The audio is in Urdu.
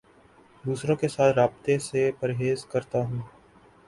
دوسروں کے ساتھ رابطے سے پرہیز کرتا ہوں